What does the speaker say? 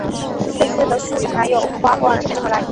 类似的术语还有硅烷衍生而来。